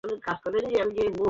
Lollipop, দ্রুত চম্পট দে!